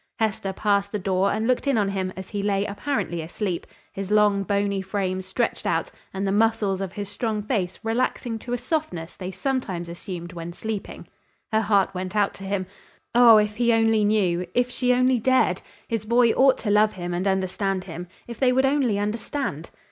Hester passed the door and looked in on him, as he lay apparently asleep, his long, bony frame stretched out and the muscles of his strong face relaxing to a softness they sometimes assumed when sleeping. Her heart went out to him. Oh, if he only knew! If she only dared! His boy ought to love him, and understand him. If they would only understand!